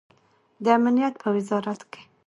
د امنیت په وزارت کې